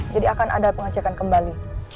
jadi akan ada pengecekan kembali